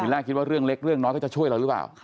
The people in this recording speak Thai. แรกคิดว่าเรื่องเล็กเรื่องน้อยก็จะช่วยเราหรือเปล่า